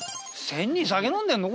仙人酒飲んでんの？